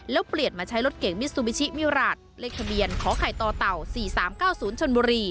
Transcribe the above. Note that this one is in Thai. แล้วเปลี่ยนมาใช้รถเก่งมิสุบิชิมิราชเลขทะเบียนขอไขต่อเต่าสี่สามเก้าศูนย์ชนบุรี